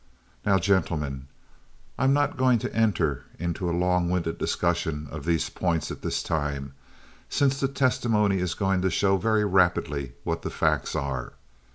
"Now, gentlemen, I am not going to enter into a long winded discussion of these points at this time, since the testimony is going to show very rapidly what the facts are.